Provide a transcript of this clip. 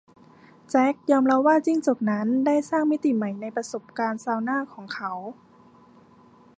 แจ็คยอมรับว่าจิ้งจกนั้นได้สร้างมิติใหม่ในประสบการณ์ซาวน่าของเขา